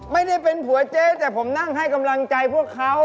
ไม่ได้เป็นผัวเจ๊แต่ผมนั่งให้กำลังใจพวกเขา